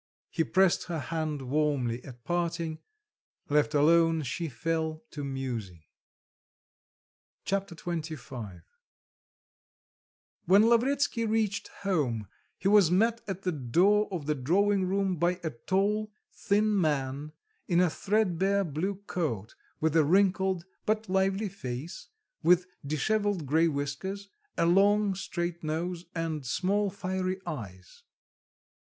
He pressed her hand warmly at parting; left alone, she fell to musing. Chapter XXV When Lavretsky reached home, he was met at the door of the drawing room by a tall, thin man, in a thread bare blue coat, with a wrinkled, but lively face, with disheveled grey whiskers, a long straight nose, and small fiery eyes.